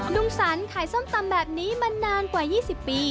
งสรรขายส้มตำแบบนี้มานานกว่า๒๐ปี